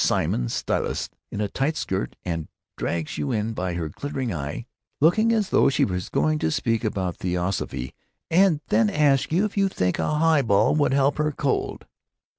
Simeon Stylites in a tight skirt, and drags you in by her glittering eye, looking as though she was going to speak about theosophy, and then asks you if you think a highball would help her cold."